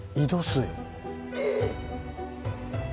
えっ！